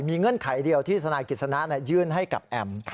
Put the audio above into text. เงื่อนไขเดียวที่ธนายกิจสนะยื่นให้กับแอม